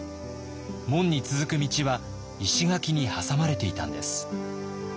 門に続く道は石垣に挟まれていたんです。